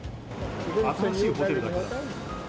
新しいホテルだから。